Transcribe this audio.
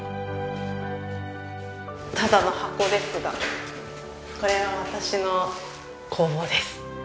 ただの箱ですがこれが私の工房です。